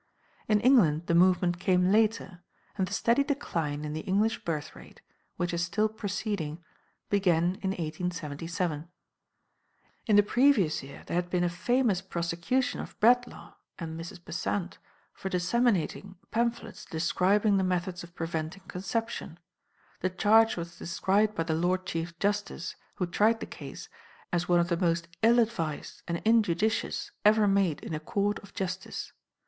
In England the movement came later, and the steady decline in the English birth rate, which is still proceeding, began in 1877. In the previous year there had been a famous prosecution of Bradlaugh and Mrs. Besant for disseminating pamphlets describing the methods of preventing conception; the charge was described by the Lord Chief Justice, who tried the case, as one of the most ill advised and injudicious ever made in a court of justice.